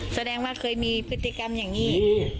แสดงว่าเคยมีพฤติกรรมอย่างนี้